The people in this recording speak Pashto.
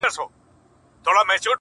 زما سجده دي ستا د هيلو د جنت مخته وي.